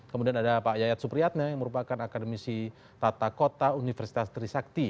kemudian ada pak yayat supriyatna yang merupakan akademisi tata kota universitas trisakti